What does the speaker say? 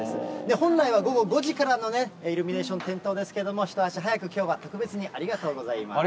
本来は午後５時からのイルミネーション点灯ですけれども、一足早く、きょうは特別にありがとうございます。